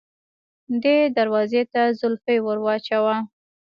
دې دروازې ته زولفی ور واچوه.